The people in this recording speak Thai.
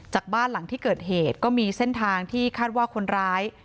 บ้านหลังที่เกิดเหตุก็มีเส้นทางที่คาดว่าคนร้าย